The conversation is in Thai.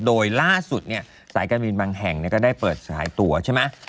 โดยล่าสุดสายการบินบางแห่งก็ได้เปิดสายตัวใช่ไหม